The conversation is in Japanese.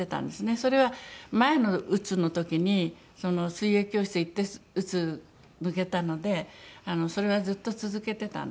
それは前のうつの時に水泳教室行ってうつ抜けたのでそれはずっと続けてたんです。